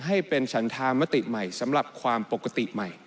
ให้เป็นฉันธามติใหม่สำหรับความปกติใหม่